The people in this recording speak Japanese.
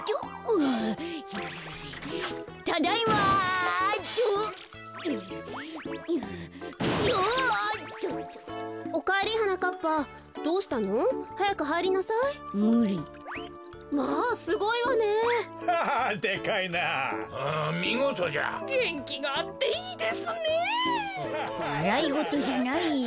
わらいごとじゃないよ。